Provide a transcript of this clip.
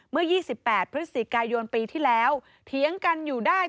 เมื่อ๒๘พฤศจิกายนปีที่แล้วเถียงกันอยู่ได้